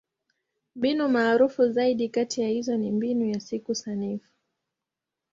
Mbinu maarufu zaidi kati ya hizo ni Mbinu ya Siku Sanifu.